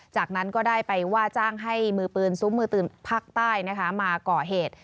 จากนั้นก็ได้ไปว่าจ้างให้มือปืนซุ้มมือปืนภาคใต้มาก่อเหตุ